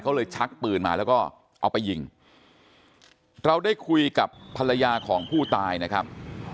เขาเลยชักปืนมาแล้วก็เอาไปยิงเราได้คุยกับภรรยาของผู้ตายนะครับ